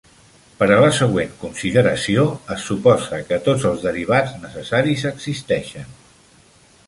Per a la següent consideració, es suposa que tots els derivats necessaris existeixen.